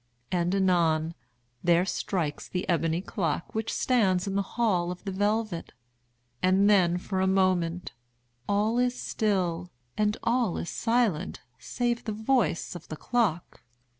And, anon, there strikes the ebony clock which stands in the hall of the velvet. And then, for a moment, all is still, and all is silent save the voice of the clock.